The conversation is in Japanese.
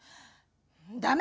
ダメ！